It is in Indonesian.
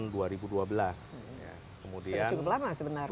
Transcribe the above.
sudah cukup lama sebenarnya